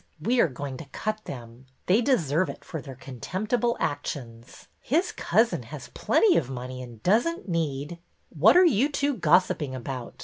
We are going to cut them. They deserve it for their contemptible actions. His cousin has plenty of money and does n't need —" "What are you two gossiping about?